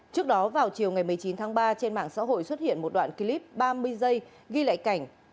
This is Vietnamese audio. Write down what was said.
trước đó vào chiều ngày một mươi chín tháng ba trên mạng xã hội xuất hiện một đoạn clip ba mươi giây ghi lại cảnh